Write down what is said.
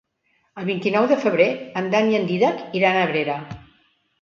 El vint-i-nou de febrer en Dan i en Dídac iran a Abrera.